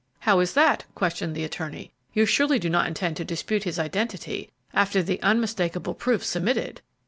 "How is that?" questioned the attorney. "You surely do not intend to dispute his identity after the unmistakable proofs submitted?"